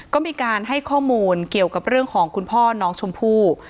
ก็มีการให้ข้อมูลเกี่ยวกับเรื่องของคุณพ่อน้องชมพู่